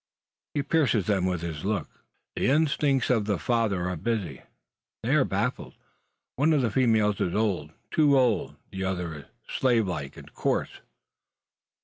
He pierces them with his look. The instincts of the father are busy: they are baffled. One of the females is old, too old; the other is slave like and coarse.